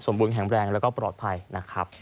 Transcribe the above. สุขภาพอนามัยที่สมบูรณ์แห่งแรงและปลอดภัยนะครับ